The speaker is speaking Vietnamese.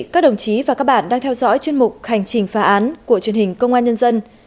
các đồng chí và các bạn đang theo dõi chuyên mục hành trình phá án của truyền hình công an nhân dân